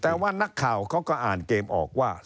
แต่ว่านักข่าวเขาก็อ่านเกมออกว่า